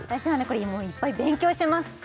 これもういっぱい勉強してます